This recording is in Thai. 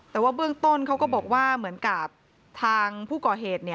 แต่ว่าเบื้องต้นเขาก็บอกว่าเหมือนกับทางผู้ก่อเหตุ